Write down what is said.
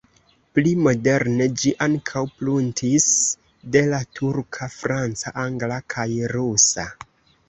Pli moderne ĝi ankaŭ pruntis de la turka, franca, angla kaj rusa.